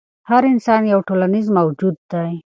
هر انسان یو ټولنیز موجود دی.